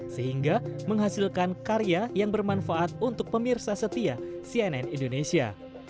sehingga menghasilkan karya yang bermanfaat untuk pemirsa setia cnn indonesia